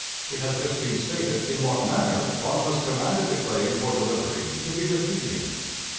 It has just been stated in what manner Congress commanded the claim for delivery to be repudiated.